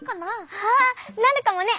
ああなるかもね。